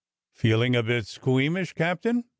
"Feeling a bit squeamish, Captain.